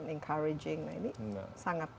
encouraging nah ini sangat